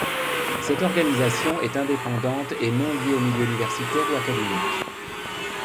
Cette organisation est indépendante et non liée aux milieux universitaires ou académiques.